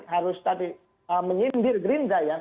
harus tadi menyindir gerindra ya